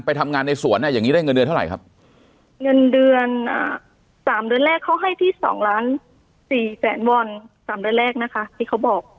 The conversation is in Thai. ทำงานในสวนอ่ะอย่างนี้ได้เงินเดือนเท่าไหร่ครับเงินเดือนอ่าสามเดือนแรกเขาให้ที่สองล้านสี่แสนวอนสามเดือนแรกนะคะที่เขาบอก